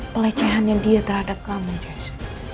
pelecehannya dia terhadap kamu jas